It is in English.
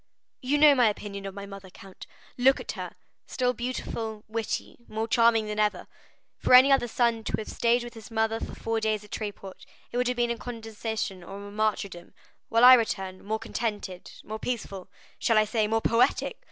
"You know my opinion of my mother, count; look at her,—still beautiful, witty, more charming than ever. For any other son to have stayed with his mother for four days at Tréport, it would have been a condescension or a martyrdom, while I return, more contented, more peaceful—shall I say more poetic!